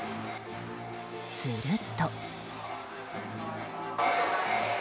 すると。